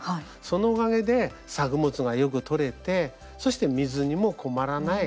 そのおかげで作物がよく取れてそして水にも困らない。